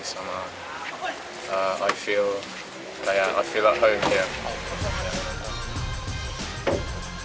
sama aku merasa aku merasa di rumah